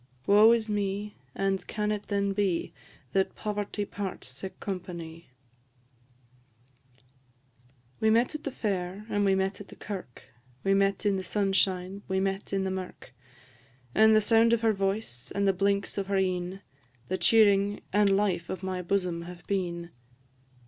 Woe is me! and can it then be, That poverty parts sic companie? We met at the fair, and we met at the kirk; We met in the sunshine, we met in the mirk; And the sound of her voice, and the blinks of her een, The cheering and life of my bosom have been.